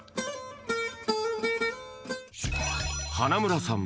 花村さん